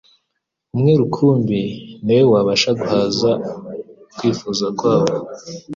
Umwe rukumbi ni we wabasha guhaza ukwifuza kwabo.